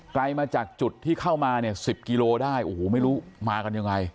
ไกลมาจากจุดที่เข้ามาเนี่ย๑๐กิโลได้โอ้โหไม่รู้มากันยังไง